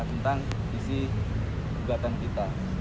tentang isi gugatan kita